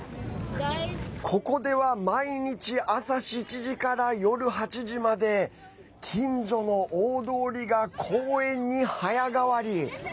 ここでは、毎日朝７時から夜８時まで近所の大通りが公園に早変わり。